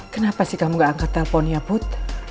kenapa sih kamu gak angkat telponnya put